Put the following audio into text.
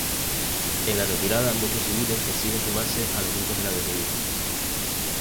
En la retirada muchos civiles deciden sumarse a los grupos de la guerrilla.